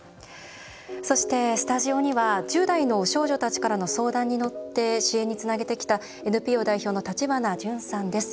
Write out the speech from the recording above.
そして、スタジオには１０代の少女たちからの相談に乗って支援につなげてきたＮＰＯ代表の橘ジュンさんです。